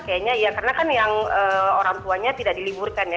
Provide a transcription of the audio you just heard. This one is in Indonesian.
kayaknya ya karena kan yang orang tuanya tidak diliburkan ya